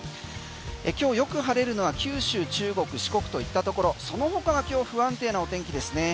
今日よく晴れるのは九州、中国、四国といったところそのほかが今日不安定な天気ですね